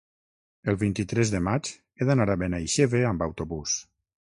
El vint-i-tres de maig he d'anar a Benaixeve amb autobús.